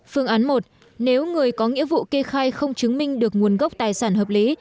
phương án một nếu người có nghĩa vụ kê khai không chứng minh được nguồn gốc tài sản hợp lý